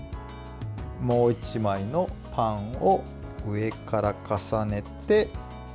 もう１枚のパンを上から重ねて。